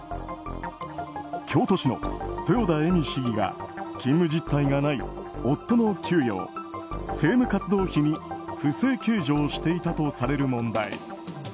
京都市の豊田恵美市議が勤務実態がない夫の給与を政務活動費に不正計上していたとされる問題。